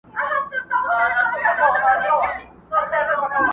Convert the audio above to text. بې منزله مسافر یم، پر کاروان غزل لیکمه!.